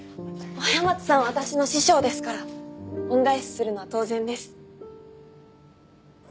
親松さんは私の師匠ですから恩返しするのは当然です。